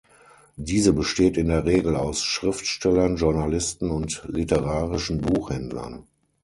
Diese besteht in der Regel aus Schriftstellern, Journalisten und literarischen Buchhändlern.